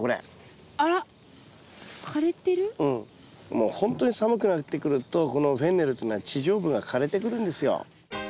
もうほんとに寒くなってくるとこのフェンネルっていうのは地上部が枯れてくるんですよ。